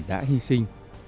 đã hy sinh